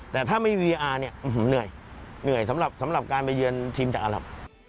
แต่ถ้ามีเวียร์เนี่ยหน่อยสำหรับสำหรับการไปยืนทีมจักรอร่ำ